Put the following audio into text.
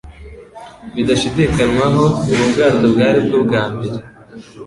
Bidashidikanwaho, ubu bwato bwari bwo bwa mbere